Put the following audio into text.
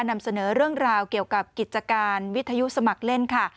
นำเสนอเรื่องราวเกี่ยวกับกิจการวิทยุสมัครเล่นค่ะ